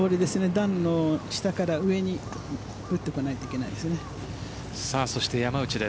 段の下から上に打ってかないといけないですね。